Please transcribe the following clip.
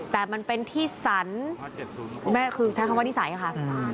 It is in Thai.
แต่มันเป็นที่สรรคุณแม่คือใช้คำว่านิสัยค่ะ